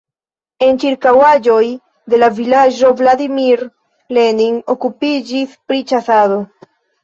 En ĉirkaŭaĵoj de la vilaĝo Vladimir Lenin okupiĝis pri ĉasado.